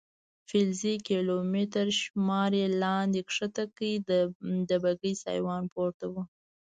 فلزي کیلومتر شمار یې لاندې کښته کړ، د بګۍ سیوان پورته و.